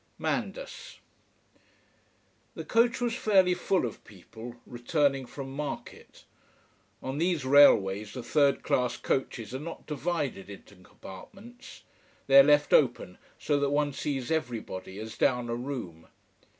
MANDAS. The coach was fairly full of people, returning from market. On these railways the third class coaches are not divided into compartments. They are left open, so that one sees everybody, as down a room.